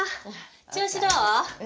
調子どう？